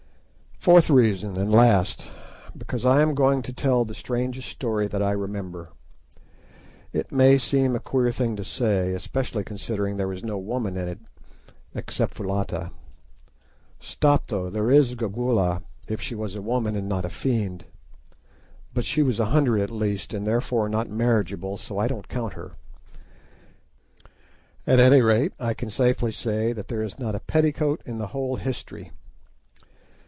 Fourth reason and last: Because I am going to tell the strangest story that I remember. It may seem a queer thing to say, especially considering that there is no woman in it—except Foulata. Stop, though! there is Gagaoola, if she was a woman, and not a fiend. But she was a hundred at least, and therefore not marriageable, so I don't count her. At any rate, I can safely say that there is not a petticoat in the whole history.